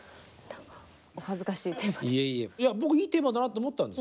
お恥ずかしいテーマで。